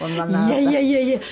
いやいやいやいや。